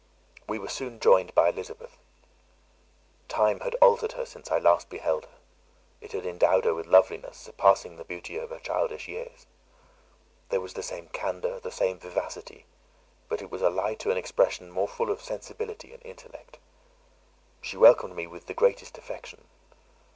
We were soon joined by Elizabeth. Time had altered her since I last beheld her; it had endowed her with loveliness surpassing the beauty of her childish years. There was the same candour, the same vivacity, but it was allied to an expression more full of sensibility and intellect. She welcomed me with the greatest affection.